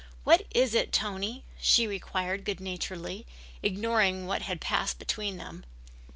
"What is it, Tony?" she inquired good naturedly, ignoring what had passed between them.